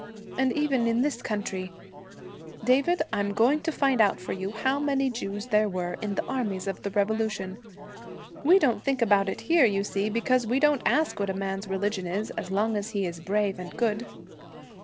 And even in this country David, I'm going to find out for you how many Jews there were in the armies of the Revolution. We don't think about it here, you see, because we don't ask what a man's religion is, as long as he is brave and good.'